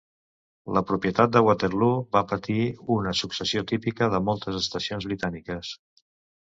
La propietat de Waterloo va patir una successió típica de moltes estacions britàniques.